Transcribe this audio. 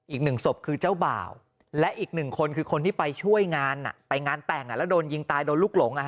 อีกหนึ่งศพคือเจ้าบ่าวและอีกหนึ่งคนคือคนที่ไปช่วยงานไปงานแต่งแล้วโดนยิงตายโดนลูกหลง